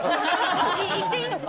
行っていいのか。